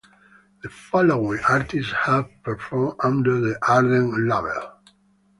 The following artists have performed under the Ardent label.